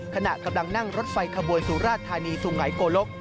ขณะกำลังนั่งรถไฟขบวนสุราชธานีสุงหายโกลก